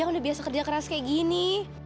aku udah biasa kerja keras kayak gini